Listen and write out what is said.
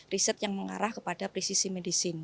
riset yang mengarah kepada presisi medicine